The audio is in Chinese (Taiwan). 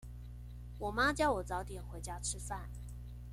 我媽叫我早點回家吃飯